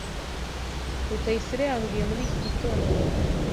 Rutayisire yambwiye muri iki gitondo.